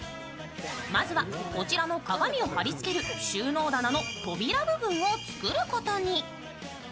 まずはこちらの鏡を貼り付ける収納棚の扉部分を作ることに。